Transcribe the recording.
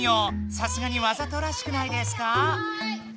さすがにわざとらしくないですか？